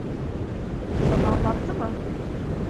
Sana anlattı mı?